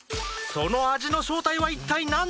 その味の正体は一体何でしょう？